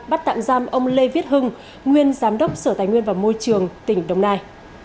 bắt tạm giam ông lê viết hưng nguyên giám đốc sở tài nguyên và môi trường tỉnh đồng nai